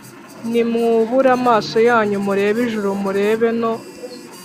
Nimwubure amaso yanyu murebe ijuru murebe no